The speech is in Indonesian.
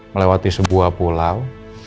melewati sebuah pulau